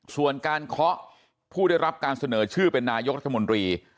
ส่วนการเคาะผู้ได้รับการเสนอชื่อเป็นนายกรัฐมนตรี